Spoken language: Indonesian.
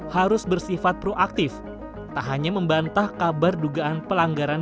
harus bersifat proaktif tak hanya membantah kabar dugaan pelanggaran